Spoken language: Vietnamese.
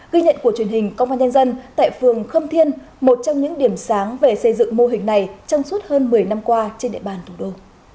ghi nhận của truyền hình công an nhân dân tại phường khâm thiên một trong những điểm sáng về xây dựng mô hình này trong suốt hơn một mươi năm qua trên địa bàn thủ đô